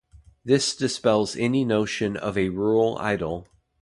This dispels any notion of a rural idyll.